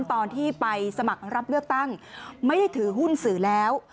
ตอนที่ไปสมัครรับเลือกตั้งไม่ได้ถือหุ้นสื่อแล้ว